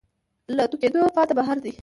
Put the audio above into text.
له توتکیو پاته بهار دی